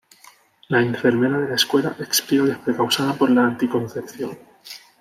La enfermera de la escuela explica que fue causada por la anticoncepción.